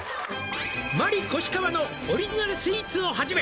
「マリ・コシカワのオリジナルスイーツをはじめ」